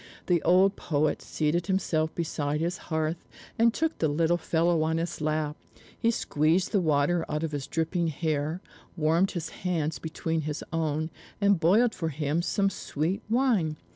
The old poet seated himself beside his hearth, and took the little fellow on his lap; he squeezed the water out of his dripping hair, warmed his hands between his own, and boiled for him some sweet wine.